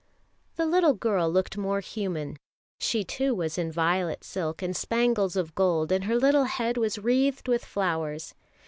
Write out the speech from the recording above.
The little girl looked more human. She too was in violet silk and spangles and gold, and her little head was wreathed with flowers.